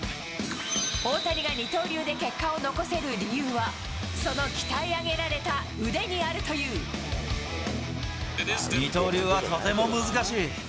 大谷が二刀流で結果を残せる理由は、その鍛え上げられた腕にある二刀流はとても難しい。